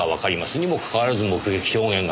にもかかわらず目撃証言が少ない。